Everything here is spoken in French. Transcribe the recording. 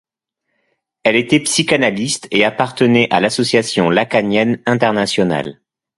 Elle était psychanalyste et appartenait à l'Association lacanienne internationale.